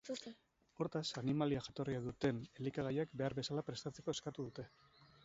Hortaz, animalia-jatorria duten elikagaiak behar bezala prestatzeko eskatu dute.